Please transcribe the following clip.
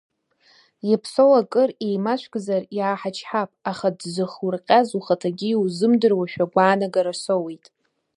Иаԥсоу акыр еимашәкзар, иааҳачҳап, аха дзыхурҟьаз ухаҭагьы иузымдыруашәа агәаанагара соуит.